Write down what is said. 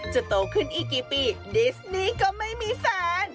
โตขึ้นอีกกี่ปีดิสนี่ก็ไม่มีแฟน